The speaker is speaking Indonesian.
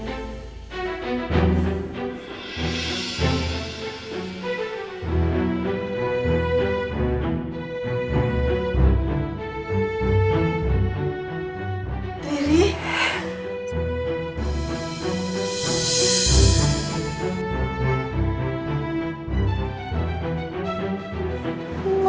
aku gak bisa jadi dokter seperti keinginan mama